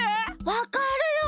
わかるよ！